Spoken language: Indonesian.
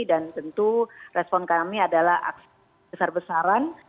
dan tentu respon kami adalah aksi besar besaran